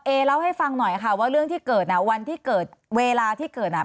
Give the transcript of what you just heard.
เอ๋เล่าให้ฟังหน่อยค่ะว่าเรื่องที่เกิดเวลาที่เกิด